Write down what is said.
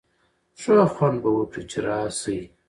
ښه خوند به وکړي چي راسی.